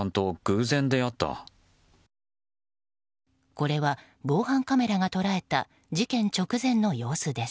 これは、防犯カメラが捉えた事件直前の様子です。